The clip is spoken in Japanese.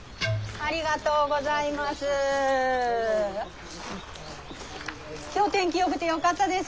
ありがとうございます。